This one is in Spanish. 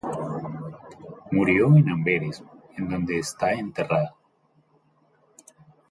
Murió en Amberes, en donde está enterrada.